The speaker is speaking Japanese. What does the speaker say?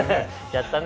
やったね。